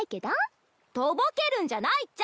とぼけるんじゃないっちゃ！